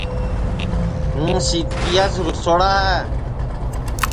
ہُوں سِیتکِیاس رُسوڑا ہے